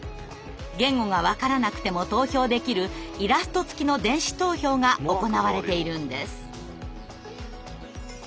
言語が分からなくても投票できるイラスト付きの電子投票が行われているんです。